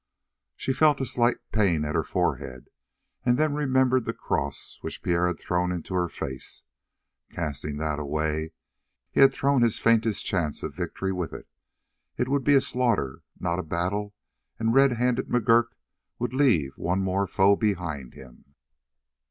She felt a slight pain at her forehead and then remembered the cross which Pierre had thrown into her face. Casting that away he had thrown his faintest chance of victory with it; it would be a slaughter, not a battle, and red handed McGurk would leave one more foe behind him.